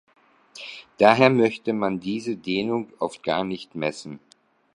Daher möchte man diese Dehnung oft gar nicht messen.